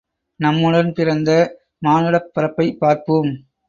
நம்முடன் பிறந்த மானுடப் பரப்பைப் பார்ப்போம்!